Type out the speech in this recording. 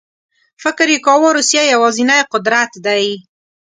فکر یې کاوه روسیه یوازینی قدرت دی.